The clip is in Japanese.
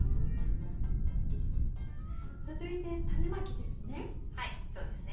続いてタネまきですね？